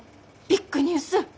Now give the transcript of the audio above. ビッグニュース。